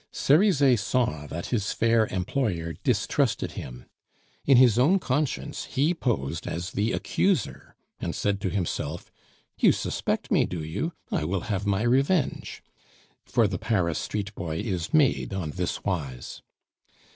Cerizet saw that his fair employer distrusted him; in his own conscience he posed as the accuser, and said to himself, "You suspect me, do you? I will have my revenge," for the Paris street boy is made on this wise.